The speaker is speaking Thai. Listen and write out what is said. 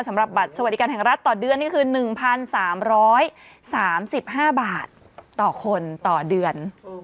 สำหรับบัตรสวัสดิกันแห่งรัฐต่อเดือนนี่คือหนึ่งพันสามร้อยสามสิบห้าบาทต่อคนต่อเดือน